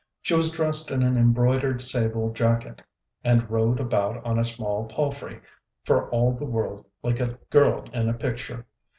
She was dressed in an embroidered sable jacket, and rode about on a small palfrey, for all the world like a girl in a picture.